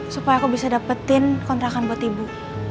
supaya aku bisa dapetin kontrakan buat ibu